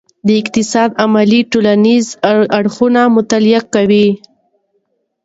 د اقتصاد علم ټولنیز اړخونه مطالعه کوي.